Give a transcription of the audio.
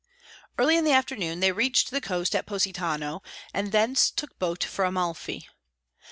Early in the afternoon they reached the coast at Positano, and thence took boat for Amalfi.